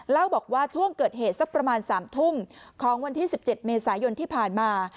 เล่าบอกว่าช่วงเกิดเหตุสักประมาณ๓ทุ่มของวันที่๑๗เมษายนที่ผ่านมา